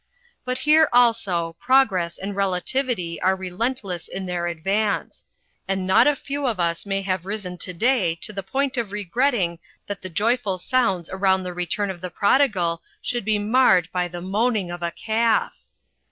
But here, also, progress and relativity are relentless in their advance; and not a few of us may have risen today to the point of regretting that the joyful sounds aroimd the return of the Prodigal should be marred by the moaning of a calf.